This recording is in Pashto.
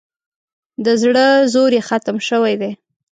د زړه زور یې ختم شوی دی.